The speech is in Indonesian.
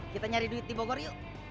kita nyari duit di bogor yuk